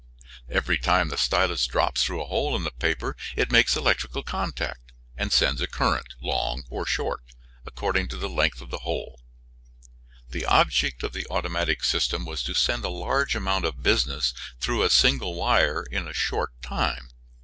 Every time the stylus drops through a hole in the paper it makes electrical contact and sends a current, long or short, according to the length of the hole. The object of the automatic system was to send a large amount of business through a single wire in a short time.